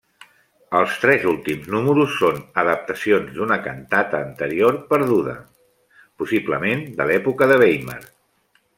Els tres últims números són adaptacions d'una cantata anterior perduda, possiblement de l'època de Weimar.